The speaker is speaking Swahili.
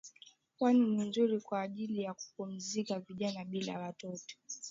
Pwani ni nzuri kwa ajili ya kupumzika vijana bila watoto